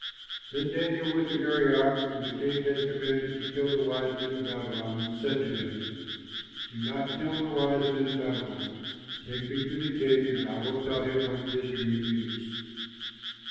Then Daniel went to Arioch, whom the king had commanded to kill the wise men of Babylon, and said to him, "Do not kill the wise men of Babylon. Take me to the king, and I will tell him what his dream means."